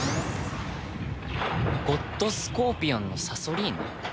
ゴッドスコーピオンのサソリーヌ？